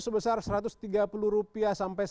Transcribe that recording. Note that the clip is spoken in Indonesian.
sebesar rp satu ratus tiga puluh sampai